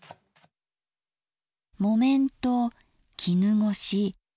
木綿と絹ごし。